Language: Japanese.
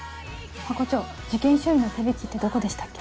ハコ長事件処理の手引ってどこでしたっけ？